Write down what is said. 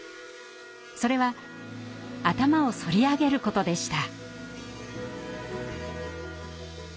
それは頭をそり上げることでした。